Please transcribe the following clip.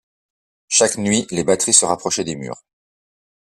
Chaque nuit, les batteries se rapprochaient des murs.